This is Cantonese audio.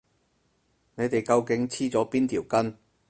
你哋究竟黐咗邊條筋？